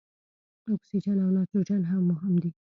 اکسیجن او نایتروجن هم مهم دي.